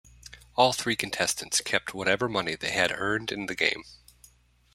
All three contestants kept whatever money they had earned in the game.